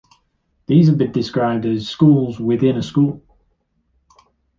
These have been described as 'schools within a school'.